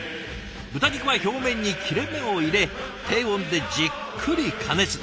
豚肉は表面に切れ目を入れ低温でじっくり加熱。